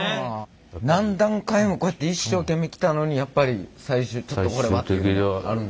何段階もこうやって一生懸命来たのにやっぱり最終「ちょっとこれは」っていうのはあるんですか？